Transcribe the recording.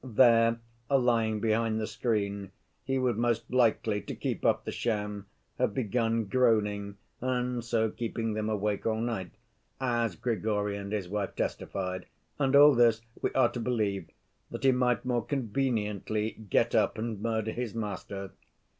There, lying behind the screen, he would most likely, to keep up the sham, have begun groaning, and so keeping them awake all night (as Grigory and his wife testified). And all this, we are to believe, that he might more conveniently get up and murder his master!